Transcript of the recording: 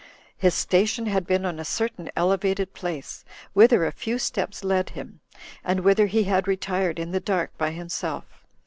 His station had been on a certain elevated place, whither a few steps led him, and whither he had retired in the dark by himself.